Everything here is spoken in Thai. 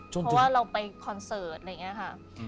เพราะว่าเราไปคอนเสิร์ตอะไรอย่างนี้ค่ะ